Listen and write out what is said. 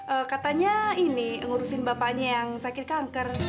eh katanya ini ngurusin bapaknya yang sakit kanker